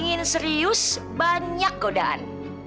ingin serius banyak godaan